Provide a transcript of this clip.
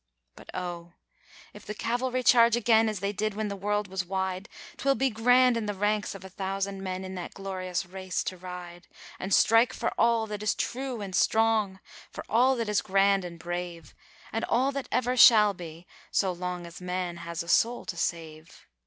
..... But, oh! if the cavalry charge again as they did when the world was wide, 'Twill be grand in the ranks of a thousand men in that glorious race to ride And strike for all that is true and strong, for all that is grand and brave, And all that ever shall be, so long as man has a soul to save.